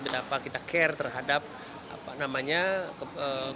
berapa kita care terhadap kepercayaan